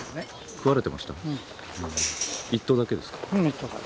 一頭だけですか？